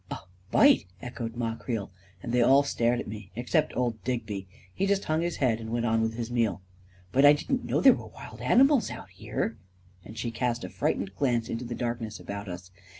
u A bite !" echoed Ma Creel, and they all stared at me —> except old Digby. He just hung his head and went on with his meal. " But I didn't know there were wild animals out here," and she cast a frightened glance into the darkness about us.